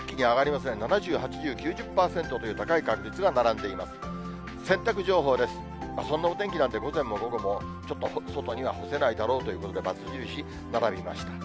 そんなお天気なんで、午前も午後も、ちょっと外には干せないだろうということで、ばつ印、並びました。